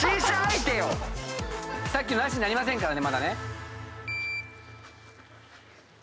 さっきのなしになりませんから。